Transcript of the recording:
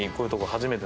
初めて。